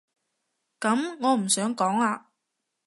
噉我唔想講啊